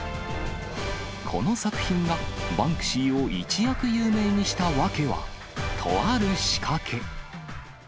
この作品がバンクシーを一躍有名にした訳は、とある仕掛け。